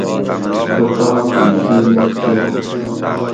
سہ تام گی شِیش دیاں